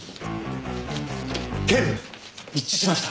警部一致しました。